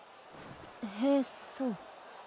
へえそう。